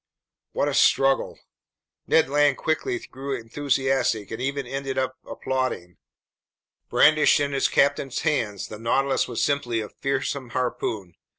What a struggle! Ned Land quickly grew enthusiastic and even ended up applauding. Brandished in its captain's hands, the Nautilus was simply a fearsome harpoon.